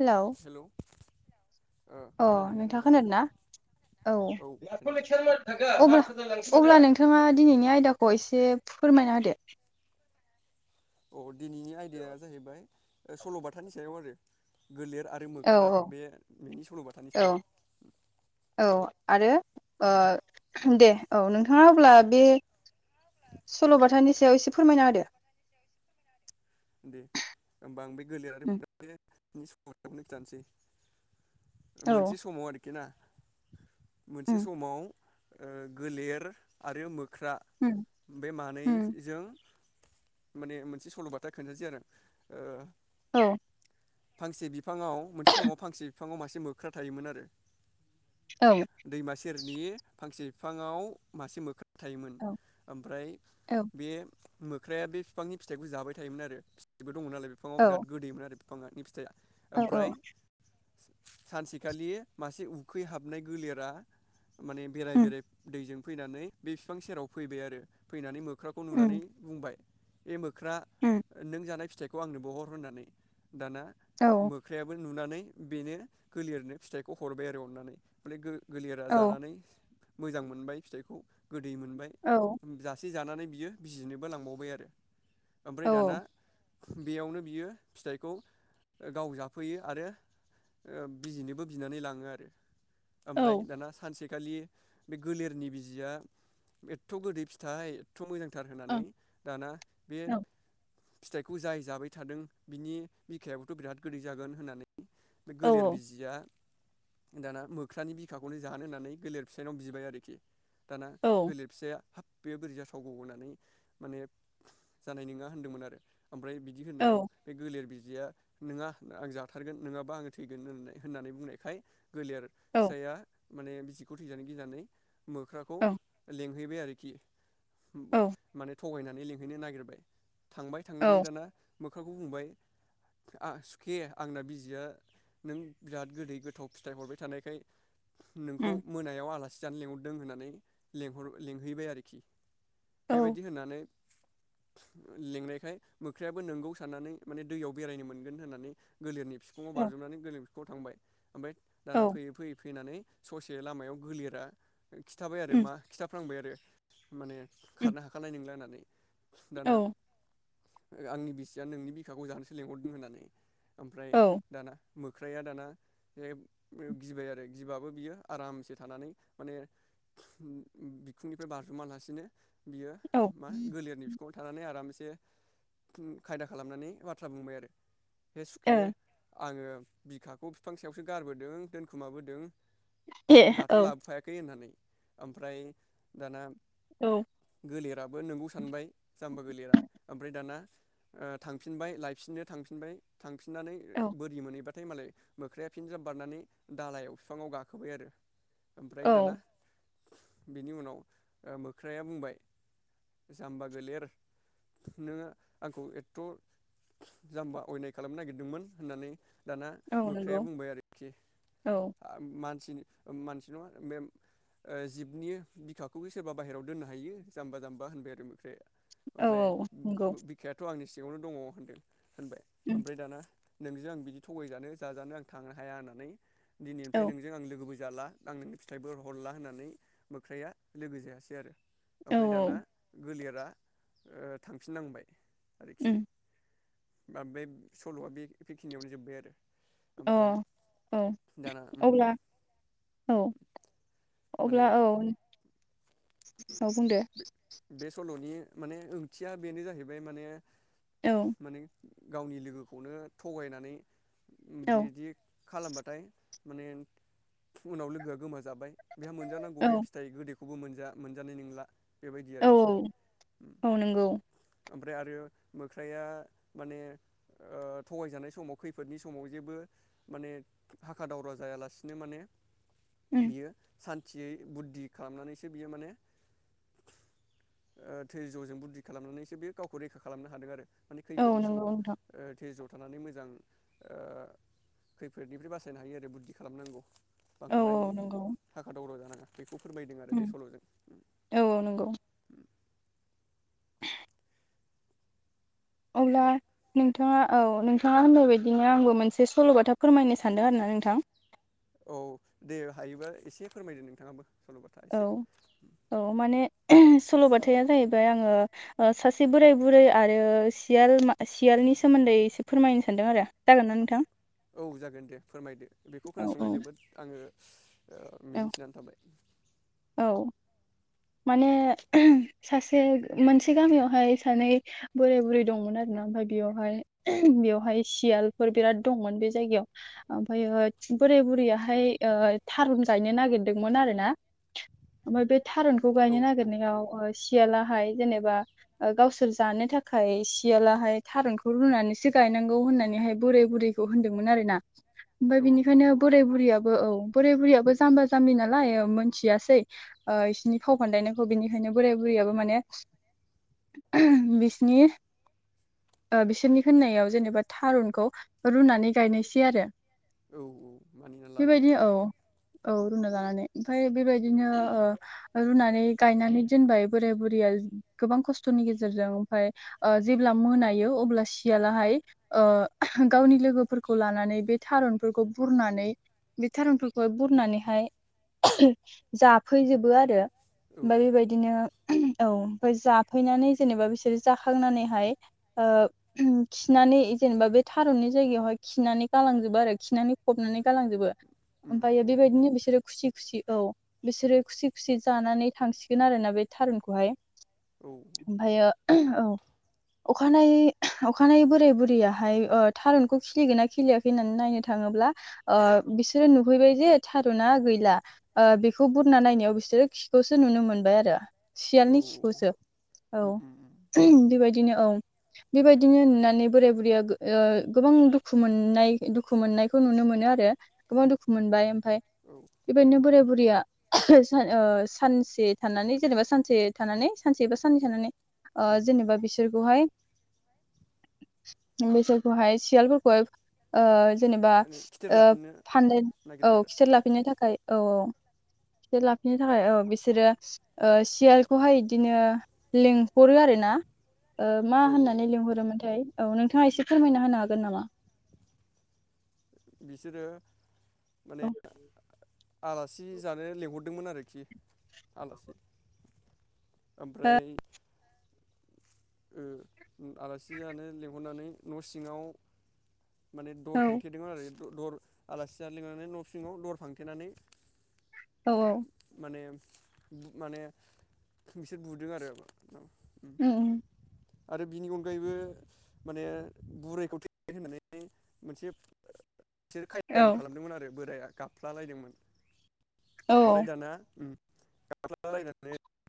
Hello hello. अ नोंथाङा खोनादों ना औ खोनादों औ अब अब्ला नोंथाङा दिनैनि आयदाखौ एसे फोरमायना होदो। अ। दिनैनि आयदाया जाहैबाय सल'बाथानि सायाव आरो गोलेर आरो मोख्रा औ बे सल'बाथानि औ सायाव औ आरो ओ दे औ नोंथाङा अब्ला बे सल'बाथानि सायाव एसे फोरमायना होदो। दे होमबा आं बे गोलेर आरो उम नि [unintelligible] थानोसै। औ मोनसे समाव आर हायना मोनसे उम समाव ओ गोलेर आरो मो ख्रा उम बे उम मानैजों माने मोनसे सल' बा था खोनथानोसै आरो ओ औ। फांसे बि बिफाङाव मोनसे समाव फांसे बिफाङाव मासे मोख्रा थायोमोन आरो औ दैमा सेरनि फांसे बिफाङाव मासे मोख थायोमोन औ ओमफ्राय औ बे मोख्राया बे फिफांनि फिथाइखौ जाबाय थायोमोन आरो [unintelligible] दंमोन नालाय बिफाङाव बिराद औ गोदैमोन आरो [unintelligible] औ ओमफ्राय औ सानसेखालि मासे उखैहाबनाय गोलेरा माने बेराय उम बेराय दैजों फैनानै बे फिफां सेराव फैबाय आरो फैनानै मो ख्राखौ उम नुनानै बुंबाय ए मोख्रा उम नों जानाय फिथ थाइखौ आंनोबो हर होननानै दाना औ मोख्रायाबो नुनानै बेनो गोलेरनो फिथाइखौ हरबाय आरो अननानै [unintelligible] गोलेरा औ जानानै मोजां मोनबाय फिथाइखौ गोदै मोनबाय औ जास जानानै बियो बिजिनोबो लांबावबाय आरो ओमफ्राय औ दाना ओं बेयावनो बियो फिथाइखौ गाव जाफैयो आरो ओ बिजिनोबो बिनानै लाङो आरो ओमफ्राय दाना सानसे खालि बे गोलेरनि बिजिया एदथ'गोदै फिथाइ थ' मोजांथार औ होननानै दाना बे फिथाइखौ जाय जाबाय थादों बिनि बिखायाबोथ' बिराद गोदै जागोन होननानै बे औ गोलेर बिजिया दाना मोख्रानि बिखाखौनो जाहानो होन्नानै गोलेर फिसायनाव बिबाय आरोखि दाना औ गोलेर फिसाया हाब बेयो बोरै जाथावगौ होननानै माने जानाय नोङा होनदोंमोन आरो ओमफ्राय बिदि औ होननायाव बे गोलेर बिज जिया नोङा आं जाथारगोन नोङाबा आं थैगोन होननाय होननानै बुंनायखाय गोलेर फिसाया माने बिजिखौ थैजानो गिनानै मोख्राखौ लें हैबाय आरोखि औ माने थगायनानै लिंहैनो नागिरबाय थांबाय थांनानै औ दाना मोख्राखौ बुंबाय सुखे आंना बिजिया नों बिराद गोदै गोथाव फिथाइ हरबाय थानायखाय नोंखौ उम मोनायाव आला सि जानो लेंंहरदों होननानै लिंहैबाय आरोखि औ बेबायदि होननानै लेंनायखाय मोख्रायाबो नोंगौ साननानै माने दैयाव बेरायनो मोनगोन होननानै गोलेरनि फिफुङाव औ बाजोबनानै गलोमो खौ थांबाय ओमफ्राय औ दाना फै फै फै फैनानै ससे लामायाव गोलेरा खिथाबाय आरो उम मा खिथाफांबाय आरो [inaudible] माने उम खारनो हाखानाय नंला होननानै औ दाना आंनि बिसिया नोंनि बिखाखौ जानोसो लिंहरदों होननानै ओमफ्राय औ दाना मोख्राया दाना बे [inaudible] गिबाय आरो गिबाबो बियो आरामसे थानानै माने बिखुंनिफ्राय बारजुमालासिनो बियो ओ मा गोलियारनि फिखुङाव थानानै आराम एसे खायदा खालामनानै बाथ्रा बुंबाय आरो हे ए सुके आङो बिखाखौ बिफां सायावसो गारबोदों दोनखुमाबोदों दाथ' औ लाबोफायाखै होननानै ओमफ्राय दाना औ गोलेराबो नोंगौ सानबाय जाम्बा गोलेरा ओमफ्राय दाना ओ थांफिनबाय लायफिननो थांफिनबाय थांफिननानै औ बोरि मोनहैबा मालाय मोख्राया फिनजाब बारनानै दालायाव बिफाङाव गाखोबाय आरो ओमफ्राय औ दाना बिनि उनाव ओ मोख्राया बुंबाय जाम्बा गोलेर नोङो आंखौ एथ' जाम्बा अयनाय खालामनो नागिरदोंमोन होननानै दाना औ मोख्राया नंगौ बुंबाय आरोखि औ मा मानसि मानसि नङा मेम जिबनि बिखाखौबो सोरबा बाहेरायाव दोननो हायो जाम्बा जाम्बा होनबाय आरो मोख्राया औ ओमफ्राय औ नंगौ बिखायाथ' आंनि इयावनो दङ होनदों होनबाय उम ओमफ्राय दाना नोंजों आं बिदि थगायजानो जाजानो आं थांनो हाया होननानै औ दिनैनिफ्राय नोंजों आं लोगोबो जाला आं नोंनो फिथाइबो हरला होननानै मोख्राया लोगो जायासै आरो औ ओमफ्राय दाना गोलेर रा ओ थांफिननांबाय आरोखि उम बा बे सल'आ बे खिनियावनो जोब्बाय आरो अ ओमफ्राय औ दाना उम अब्ला औ माने अब्ला औ औ बुंदो बे सल'नि माने ओंथिया बेनो जाहैबाय माने औ माने गावनि लोगोखौनो थगायनानै उम औ बेदि खालामबाथाय माने उनाव लोगोआ गोमाजाबाय। बेहा मोनजानांगौ बे औ फिथाइ गोदैखौ खौबो मोनजा मोनजानाय नंला। बेबायदि औ आरोखि ओम औ नंगौ ओमफ्राय आरो मोख्राया माने ओ थगायजानाय समाव खैफोदनि समाव जेबो माने हाखा दावरा जायालासिनो माने उम बियो सान थियै बुद्धि खालामनानैसो बियो माने ओ धैज'जों बुद्धि खालामनानैसो बे गावखौ रैखा खालामनो हादों आरो माने औ खैफोदनि समाव नंगौ ओ नोंथां धैज' थानानै मोजां ओ खैफोदनिफ्राय बासायनो हायो आरो बुद्धि खालामनांगौ औ बांद्राय औ नंगौ हाखा दावरा जानाङा खौ फोरमायदों आरो बे उम सल'जों [unintelligible] अब्ला बा नोंथाङा औ नोंथाङा होननाय बायदिनो आंबो मोनसे सल'बाथा फोरमायनो सानदों आरोना नोंथां औ दे हायोबा एसे फोरमायदो नोंथाङाबो सल'बाथा औ एसे औ माने सल'बाथाया जाहैबाय आङो ओ सासे बोराय बुरै आरो सियाल मा सियालनि सोमोन्दै एसे फोरमायनो सानदों आरो जागोन ना नोंथां औ जागोन दे फोरमायदो बेखौ खोनासंनो औ जोबोद आङो ओ मिजिंथिनानै थाबाय औ माने सासे मोनसे गामियावहाय सानै बोराय बुरै दंमोन आरोना ओमफाय बेयावहाय बेवहाय सियालफोर बिराद दंमोन बे जायगायाव ओमफायो बोराय बुरैयाहाय ओ थारुन गायनो नागिरदोंमोन आरोना ओमफाय बे थारुन खौ औ गायनो औ नागिरनायाव नंगौ ओ सियालाहाय जेने बा गावसोर जानो थाखाय सियालाहाय थारुनखौ रुनानैसो गायनांगौ होननानैहाय बोराय बुरैखौ होनदोंमोन आरो ना ओमफाय औ नंगौ बिनिखायनो बोराय बुरैयाब बो औ बोरै बुरैयाबो जाम्बा जामबि नालाय ओ मोनथियासै ओ इसिनि फाव फान्दायनायखौ बिनिखायनो बोराय बुरैयाबो माने बिसिनि ओ बिसोरनि होननायाव जेनेबा थारुनखौ रुनानै गायनायसै आरो औ औ मानिनानै लानानै बेबायदि औ औ रुना लानानै ओमफाय बेबायदिनो ओ रुनानै गायनानै दोनबाय बोराय बुरैया गोबां खस्थ'नि गेजेरजों ओमफाय ओ जेब्ला मोनायो अब्ला सियालाहाय ओ गावनि लोगोफोरखौ लानानै बे थारुनफोरखौ बुरनानै बे थारुनफोरखौहाय बुरनानैहाय जाफैजोबो आरो औ औ ओमफाय बेबायदिनो औ ओमफाय जाफैनानै जेनेबा बिसोर जाखांनानैहाय ओ खिनानै जेनेबा बे थारुननि जायगायावहाय खिनानै गालांजोबो आरो खिनानै फबनानै गालांजोबो औ ओमफायो बेबायदिनो बिसोरो खुसि खुसि औ बिसोरो खुसि खुसि जानानै थांसिगोन आरोना बे थारुनखौहाय औ ओमफायो औ अखानायै अखानायै बोराय बुरैयाहाय ओ थारुनखौ खिलिगोन ना खिलियाखै होननानै नायनो थाङोब्ला ओ बिसोरो नुहैबाय जे थारना गैला ओ बेखौ बुरना नायनायाव बिसोरो खिखौसो नुनो मोनबाय आरो औ सियालनि खिखौसो औ उम उम उम बेबायद दिनो औ बेबायदिनो नुनानै बोराय बुरैया गो ओ गोबां दुखु मोननाय दुखु मोननायखौ नुनो मोनो आरो गोबां दुखु मोनबाय ओमफाय औ बेबायदिनो बोराय बुरैया सा ओ सानसे थानानै जेनेबा सानसे थानानै सानसेबा साननै थानानै ओ औ जेनेबा बिसोरखौहाय बेसोरखौहाय सियालफोरखौहाय ओ जेनेबा माने खिथेर ओ लाफिननो फानदाय औ नागिरदों आरो खिथेर लाफिननो थाखाय औ औ खिथेर लाफिननो थाखाय औ बिसोरो ओ सियालखौहाय इदिनो लिंहरो आरो ना ओ मा औ होननानै लिंहरोमोनथाय औ नोंथाङा एसे फोरमायना होनो हागोन नामा बिसोरो माने औ आलासि जानो लिंहरदोंमोन आरोखि, आलासि ओमफ्राय ओ आलासि जानो लिंहरनानै न' सिङाव माने औ दर फांथेदों आरो द दर आलासि जानो लेंलांनानै न' सिङाव दर फांथेनानै औ औ उम माने बिसोर बुदों आरो उम आरो बिनि अनगायैबो माने बुरायखौ थैबाय होननानै मोनसे बिसोर औ खायदाबो खालामदोंमोन आरो बोराया गाबफ्लालायदोंमोन औ ओमफ्राय दाना [unintelligible]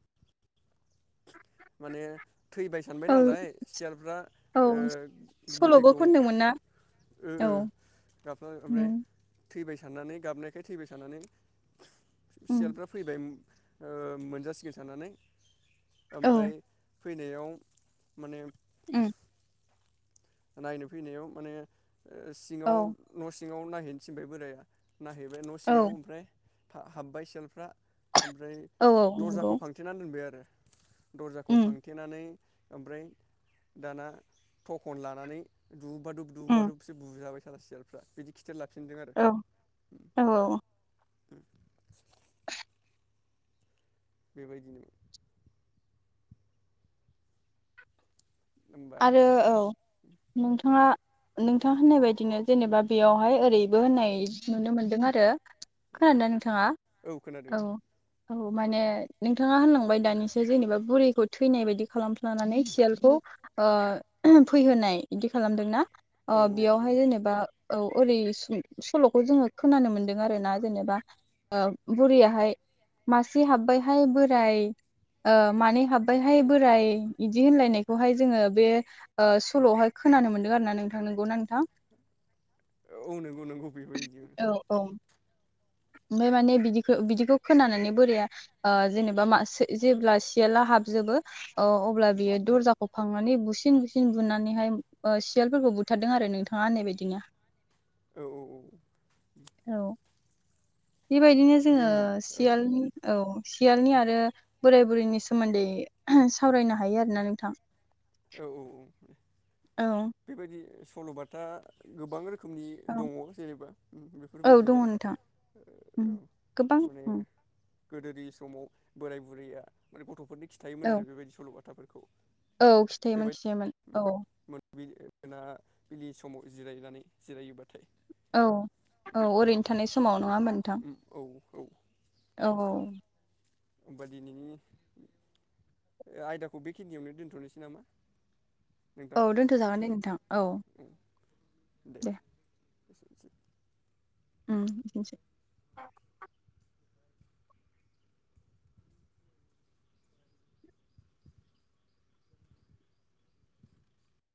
माने थैबाय सानबाय औ नालाय सियालफ्रा ओ औ सल'बो गोथैखौ खनदोंमोन ना ओ औ ओ गाफ्ला उम ओमफ्राय थैबाय साननानै गाबनायखाय थैबाय साननानै उम सियालफ्रा फैबाय ओ मोनजासिगोन साननानै औ ओमफ्राय फैनायाव माने उम नायनो फैनायाव माने औ सिङाव न'सि सिङाव नायहैनो थिनबाय बोराया नायहैबाय न' औ सिङाव ओमफ्राय हाब्बाय सियालफ्रा ओमफ्राय औ नंगौ दर्जाखौ फांथेनानै दोनबाय आरो दरजाखौ उम फांथेनानै ओमफ्राय दाना थ' खन लानानै दुबादुब उम दुबादुब बिसोर बुजाबाय [unintelligible] सियालफ्रा बिदि खिथेर लाफिनदों आरो औ औ बेबायदिनो होमबा आरो औ नोंथाङा नोंथां होननाय बायदिनो जेनेबा बेयावहाय ओरैबो होननाय नुनो मोनदों आरो। खोनादोंना नोंथाङा? औ। औ माने नोंथाङा होनलांबाय दानिसो जेनेबा बुरैखौ थैनाय बायदि खालामफ्लानानै सियालखौ ओ फैहोनाय इदि खालामदोंना? औ ओ औ बेयावहाय नंगौ जेनेबा औ ओरै सल'खौ जोङो खोनानो मोनदों आरो ना जेनेबा ओ बुरैयाहाय मासे हाब्बायहाय बोराय ओ मानै हाब्बायहाय बोराइ इदि होनलायनायखौहाय जोङो बे ओ सल' आवहाय खोनानो मोनदों आरोना नोंथां नोंगौना नोंथां? औ नोंगौ नोंगौ बेबो इदिमोन। ओमाय माने बिदिखौ बिदिखौ खोनानानै बोरया ओ जेनेबा म जेब्ला सियाला हाबजोबो अब्ला बियो दरजाखौ फांनानै बुसिन बुसिन बुनानैहाय ओ सियालफोरखौ बुथारदों आरो नोंथाङा होन्नाय बायदिनो औ औ औ। बेबायदिनो दे जोङो होमबा औ सियालनि औ सियालनि आरो बोराय बुरैनि सोमोन्दै सावरायनो हायो आरोना नोंथां औ औ औ। औ बेबायदि सल'बाथा गोबां रो खोमनि दङ जेनेबा औ दङ बेफोरबायदिनो नोंथां उम गोबां माने उम गोदोनि समाव बोराय बुरैया ओरै गथ'फोरनि खिथायोमोन औ। आरो बेबायदि सल' थाफोरखौ औ खिथायोमोन खिथायोमोन औ। [unintelligible] बिलि समाव जिरायनानै जिरायोबा औ औ ओरैनो थानाय समाव नङा होमबा नोंथां? उम औ औ। औ औ। होमबा दिनैनि आयदाखौ बेखिनियावनो दोन्थ'नोसै नामा? नोंथां औ दोनथ'जागोन दे नोंथां औ उम दे। एसेनोसै। उम एसेनोसै।